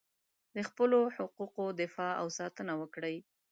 د خپلو حقونو دفاع او ساتنه وکړئ.